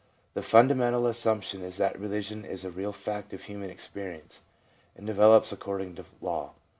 The fundamental assumption is that religion is a real fact of human experience, and develops according to law.